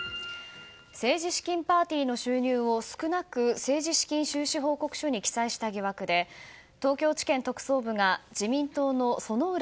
政治資金パーティーの収入を少なく政治資金収支報告書に記載した疑惑で東京地検特捜部が自民党の薗浦